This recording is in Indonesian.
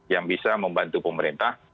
yang bisa membantu pemerintah